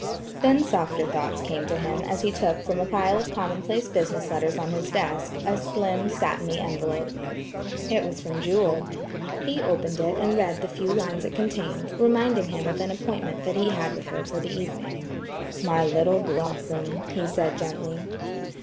Then softer thoughts came to him as he took from a pile of commonplace, business letters on his desk, a slim satiny envelope. It was from Jewel. He opened it and read the few lines it contained, reminding him of an appointment that he had with her for the evening. "My little Blossom!" he said gently.